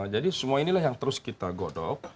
jadi semua inilah yang terus kita godok